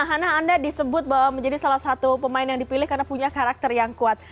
hana anda disebut bahwa menjadi salah satu pemain yang dipilih karena punya karakter yang kuat